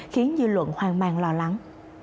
khiến dư luận hoang mang lo lắng